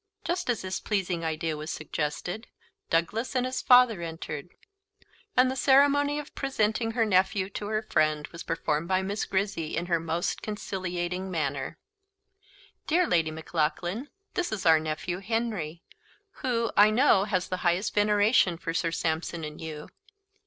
Just as this pleasing idea was suggested, Douglas and his father entered, and the ceremony of presenting her nephew to her friend was performed by Miss Grizzy in her most conciliating manner. "Dear Lady Maclaughlan, this is our nephew Henry, who, I know, has the highest veneration for Sir Sampson and you.